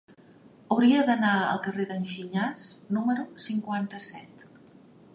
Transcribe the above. Hauria d'anar al carrer d'en Gignàs número cinquanta-set.